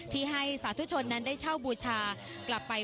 ที่ให้สาธุชนนั้นได้เช่าบูชากลับไป